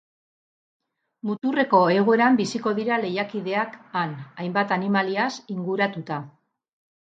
Muturreko egoeran biziko dira lehiakideak han, hainbat animaliaz inguratuta.